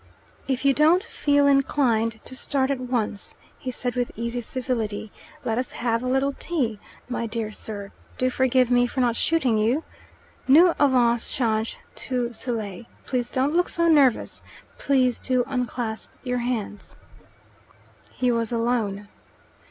"If you don't feel inclined to start at once," he said with easy civility, "Let us have a little tea. My dear sir, do forgive me for not shooting you. Nous avons change tout cela. Please don't look so nervous. Please do unclasp your hands " He was alone.